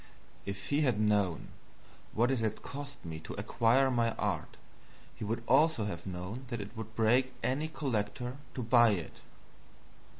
If he had known what it had cost me to acquire my art, he would also have known that it would break any collector to buy it.